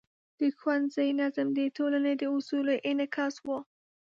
د ښوونځي نظم د ټولنې د اصولو انعکاس و.